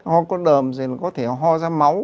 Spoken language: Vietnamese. ho có đờm rồi có thể ho ra máu